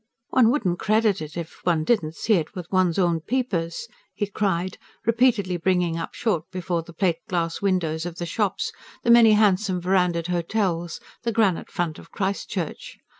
"One wouldn't credit it if one didn't see it with one's own peepers!" he cried, repeatedly bringing up short before the plate glass windows of the shops, the many handsome, verandahed hotels, the granite front of Christ Church.